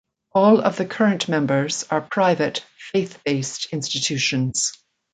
All of the current members are private, faith-based institutions.